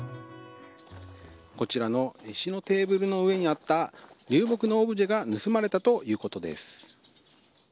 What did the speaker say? こちらの石のテーブルの上にあった流木のオブジェが盗まれたということです。